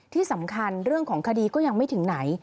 ที่สำคัญเรื่องของคดีก็ยังไม่ถึงไหน